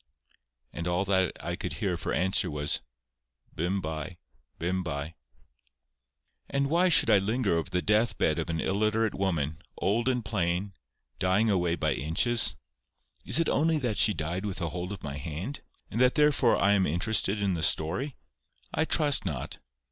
And all that I could hear of her answer was, "Bym by; bym by." Why should I linger over the death bed of an illiterate woman, old and plain, dying away by inches? Is it only that she died with a hold of my hand, and that therefore I am interested in the story? I trust not.